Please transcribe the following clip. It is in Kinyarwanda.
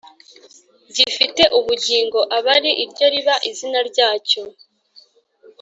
gifite ubugingo, aba ari iryo riba izina ryacyo